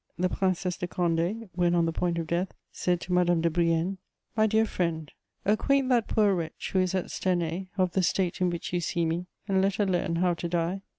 The Princesse de Condé, when on the point of death, said to Madame de Brienne: "My dear friend, acquaint that poor wretch who is at Stenay of the state in which you see me, and let her learn how to die."